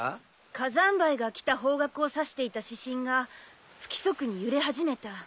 火山灰が来た方角を指していた指針が不規則に揺れ始めた。